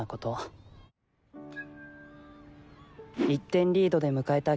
１点リードで迎えた